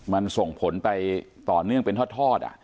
มันส่งผลไปต่อเนื่องเป็นทอด